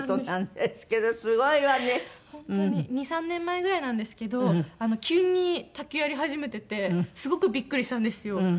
２３年前ぐらいなんですけど急に卓球やり始めててすごくびっくりしたんですよ。